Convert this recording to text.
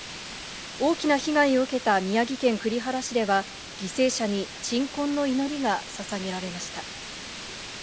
大きな被害を受けた宮城県栗原市では、犠牲者に鎮魂の祈りがささげられました。